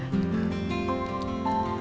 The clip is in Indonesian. oke ini udah